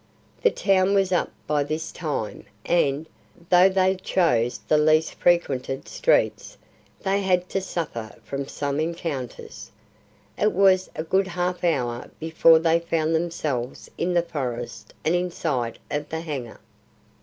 The town was up by this time and, though they chose the least frequented streets, they had to suffer from some encounters. It was a good half hour before they found themselves in the forest and in sight of the hangar.